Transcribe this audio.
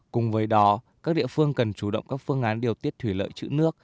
cùng với đó các địa phương cần chủ động các phương án điều tiết thủy lợi chữ nước